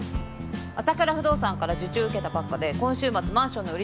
浅桜不動産から受注受けたばっかで今週末マンションの売り出し